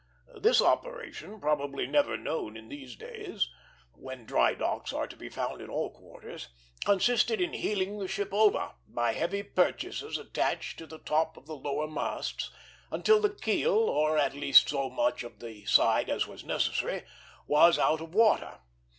This operation, probably never known in these days, when dry docks are to be found in all quarters, consisted in heeling the ship over, by heavy purchases attached to the top of the lower masts, until the keel, or at least so much of the side as was necessary, was out of water.